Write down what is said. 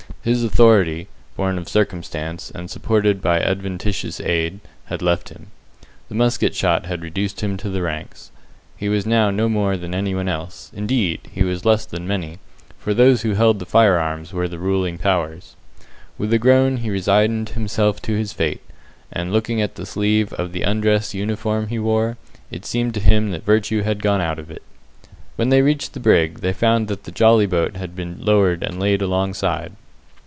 His authority born of circumstance, and supported by adventitious aid had left him. The musket shot had reduced him to the ranks. He was now no more than anyone else; indeed, he was less than many, for those who held the firearms were the ruling powers. With a groan he resigned himself to his fate, and looking at the sleeve of the undress uniform he wore, it seemed to him that virtue had gone out of it. When they reached the brig, they found that the jolly boat had been lowered and laid alongside.